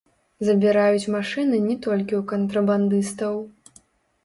Забіраюць машыны не толькі ў кантрабандыстаў.